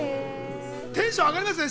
テンション上がりますよね？